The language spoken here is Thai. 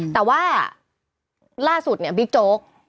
แต่ว่าล่าสุดบิ๊กโจ๊ก